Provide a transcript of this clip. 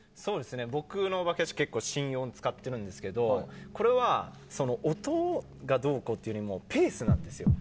僕のお化け屋敷は心音を使ってるんですけどこれは、音がどうこうというよりペースなんですよ。